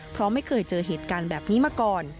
เพราะไม่เคยเจอเหตุการณ์แบบนี้มาก่อน